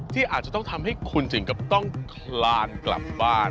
ที่อาจจะต้องทำให้คุณถึงกับต้องคลานกลับบ้าน